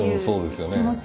そうですよね。